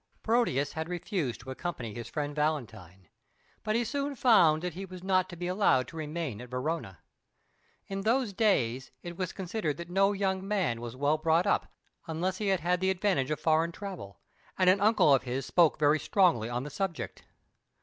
Proteus had refused to accompany his friend Valentine, but he soon found that he was not to be allowed to remain at Verona. In those days it was considered that no young man was well brought up unless he had had the advantage of foreign travel, and an uncle of his spoke very strongly on the subject.